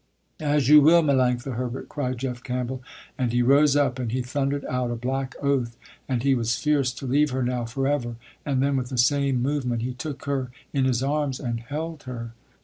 "As you will, Melanctha Herbert," cried Jeff Campbell, and he rose up, and he thundered out a black oath, and he was fierce to leave her now forever, and then with the same movement, he took her in his arms and held her.